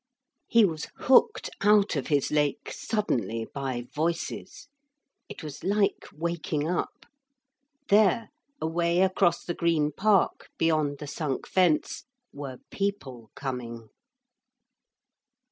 He was hooked out of his lake suddenly by voices. It was like waking up. There, away across the green park beyond the sunk fence, were people coming.